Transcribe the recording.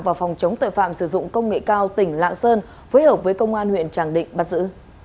và phòng chống tội phạm sử dụng công nghệ cao tỉnh lạng sơn phối hợp với công an huyện tràng định bắt giữ